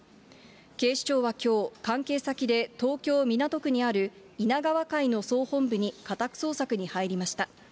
警視庁はきょう、関係先で東京・港区にある、稲川会の総本部に家宅捜索に入りました。